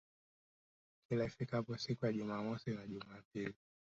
Kila ifikapo siku za Jumamosi na Jumapili